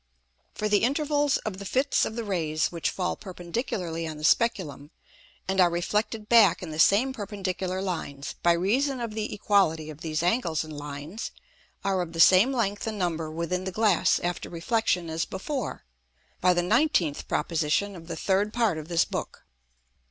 For the Intervals of the Fits of the Rays which fall perpendicularly on the Speculum, and are reflected back in the same perpendicular Lines, by reason of the equality of these Angles and Lines, are of the same length and number within the Glass after Reflexion as before, by the 19th Proposition of the third part of this Book.